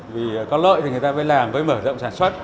vì có lợi thì người ta mới làm với mở rộng sản xuất